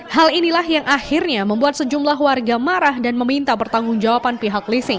hal inilah yang akhirnya membuat sejumlah warga marah dan meminta pertanggung jawaban pihak leasing